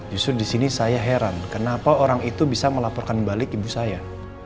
justru di sini saya heran kenapa orang itu bisa melaporkan balik ibu saya